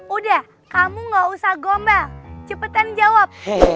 udah kamu gak usah gombal cepetan jawab